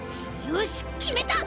よしきめた！